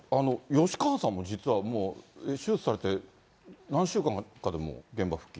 吉川さんも実はもう、手術されて何週間かで、もう現場復帰？